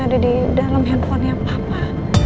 ada di dalam handphonenya papa